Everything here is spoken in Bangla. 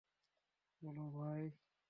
বলো, ভাই।